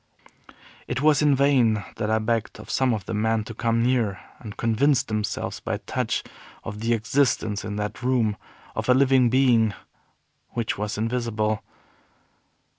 It was in vain that I begged of some of the men to come near and convince themselves by touch of the existence in that room of a living being which was invisible.